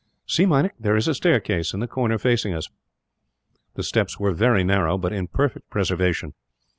"See, Meinik, there is a staircase, in the corner facing us." The steps were very narrow, but in perfect preservation.